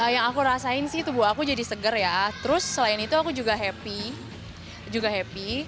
yang aku rasain sih tubuh aku jadi seger ya terus selain itu aku juga happy juga happy